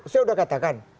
saya udah katakan